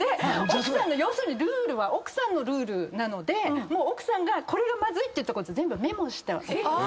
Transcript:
要するにルールは奥さんのルールなので奥さんがこれがまずいって言ったことを全部メモしておく。